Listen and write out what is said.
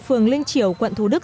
phường linh triểu quận thủ đức